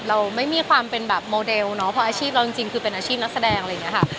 เราไม่มีความเป็นแบบโมเดลเนาะเพราะอาชีพเราจริงคือเป็นอาชีพนักแสดงอะไรอย่างนี้ค่ะ